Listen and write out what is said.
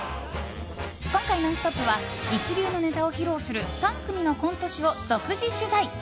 今回、「ノンストップ！」は一流のネタを披露する３組のコント師を独自取材。